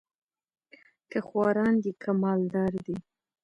که خواران دي که مال دار دي